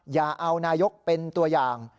อย่าเอานายกเป็นตัวอย่าง